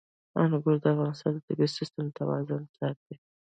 انګور د افغانستان د طبعي سیسټم توازن ساتي.